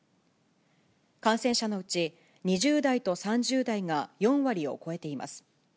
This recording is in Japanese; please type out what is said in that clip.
感染者のうち、２０代と３０代が４割を超えています。